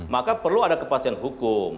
maka perlu ada kepastian hukum